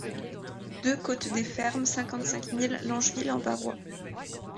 deux côte des Fermes, cinquante-cinq mille Longeville-en-Barrois